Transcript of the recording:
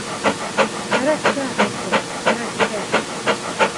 Кәрәккә, ҡустым, кәрәккә.